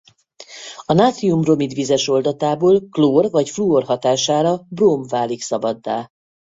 A nátrium-bromid vizes oldatából klór vagy fluor hatására bróm válik szabaddá.